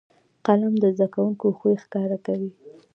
قلم د زده کوونکو خوی ښکاره کوي